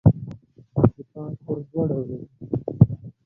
صفات پر دوه ډوله دي.